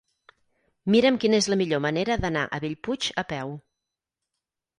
Mira'm quina és la millor manera d'anar a Bellpuig a peu.